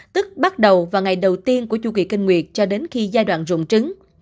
tức bắt đầu vào ngày đầu tiên của chu kỳ kinh nguyệt cho đến khi giai đoạn rụng trứng